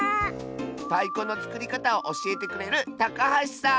たいこのつくりかたをおしえてくれるたかはしさん！